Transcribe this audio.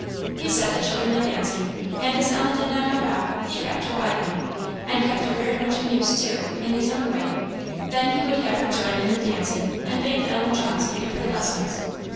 He set the children a dancing, and as Ellen did not know how, he kept her by him, and kept her very much amused, too, in his own way; then he would have her join in the dancing, and bade Ellen Chauncey give her lessons.